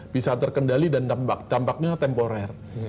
bisa terkendali dan dampaknya temporer